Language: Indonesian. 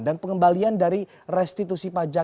dan pengembalian dari restitusi pajak